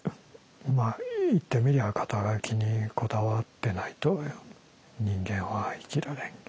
まあ言ってみりゃ肩書にこだわってないと人間は生きられない。